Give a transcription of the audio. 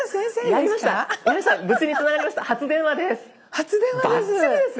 初電話です。